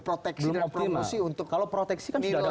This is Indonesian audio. proteksi dan promosi untuk nilai